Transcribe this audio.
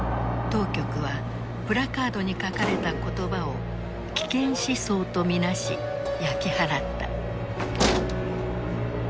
当局はプラカードに書かれた言葉を危険思想と見なし焼き払った。